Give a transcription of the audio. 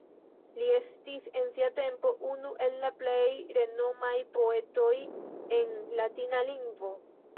Li estis en sia tempo unu el la plej renomaj poetoj en latina lingvo.